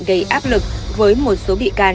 gây áp lực với một số bị can